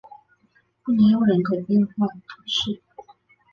布尼欧人口变化图示